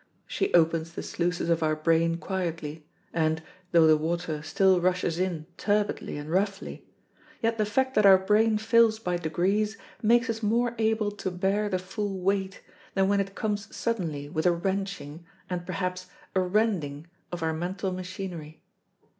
She opens the sluices of our brain quietly, and, though the water still rushes in turbidly and roughly, yet the fact that our brain fills by degrees makes us more able to bear the full weight, than when it comes suddenly with a wrenching and, perhaps, a rending of our mental machinery.